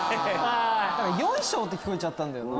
「よいしょ」って聞こえちゃったんだよな。